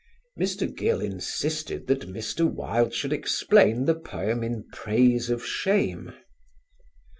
Mr. Gill insisted that Mr. Wilde should explain the poem in "Praise of Shame."